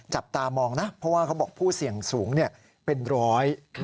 จับตามองนะเพราะว่าเขาบอกผู้เสี่ยงสูงเป็นร้อย